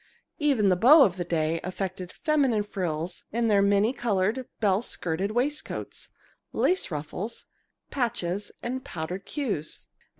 Even the beaux of the day affected feminine frills in their many colored, bell skirted waistcoats, lace ruffles, patches, and powdered queues.